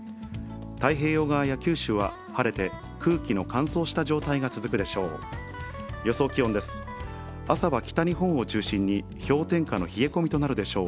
太平洋側や九州は、晴れて空気の乾燥した状態が続くでしょう。